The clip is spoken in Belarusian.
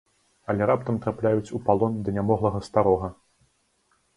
Але раптам трапляюць у палон да нямоглага старога.